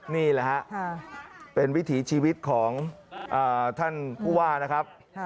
นี่ละเป็นวิถีชีวิตของท่านกุ้ว้า